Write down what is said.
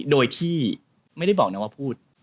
โดยที่ไม่ได้บอกนะว่าพูด